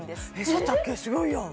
そうやったっけすごいやん！